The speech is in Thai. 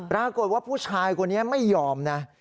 ปรากฏว่าผู้ชายคนนี้ไม่ยอมนะ